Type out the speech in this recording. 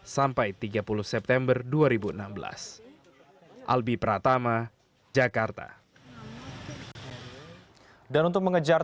sampai tiga puluh september dua ribu enam belas